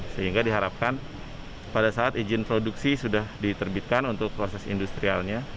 sehingga diharapkan pada saat izin produksi sudah diterbitkan untuk proses industrialnya